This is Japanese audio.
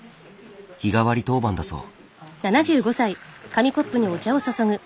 日替わり当番だそう。